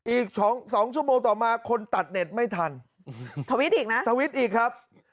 อีกสองสองชั่วโมงต่อมาคนตัดเน็ตไม่ทันอืมอีกนะอีกครับ